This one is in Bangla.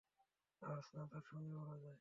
নার্স না, তার সঙ্গী বলা যায়!